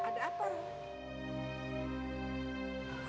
ada apa rok